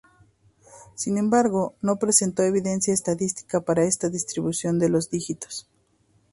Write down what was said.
Sin embargo, no presentó evidencia estadística para esta distribución de los dígitos.